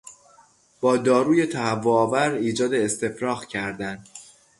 با داروی تهوع آور ایجاد استفراغ کردن